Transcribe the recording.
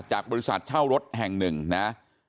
จากบริษัทเช่ารถแห่งหนึ่งนะ